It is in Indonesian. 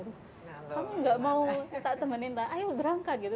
kamu nggak mau kita temenin tak ayo berangkat gitu